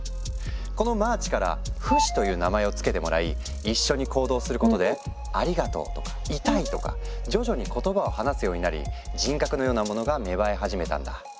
このマーチから「フシ」という名前を付けてもらい一緒に行動することで「ありがとオ」とか「イタイ」とか徐々に言葉を話すようになり人格のようなモノが芽生え始めたんだ。